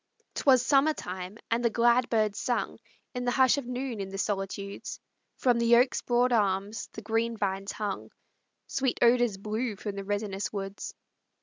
'Twas summer time, and the glad birds sung In the hush of noon in the solitudes; From the oak's broad arms the green vines hung; Sweet odors blew from the resinous woods.